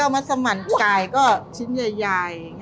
และก็มัสมันไก่ก็ชิ้นใหญ่